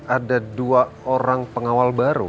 ada dua orang pengawal baru